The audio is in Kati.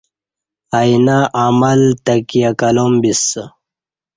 آئینہ عمل تکیہ کلام بیسہ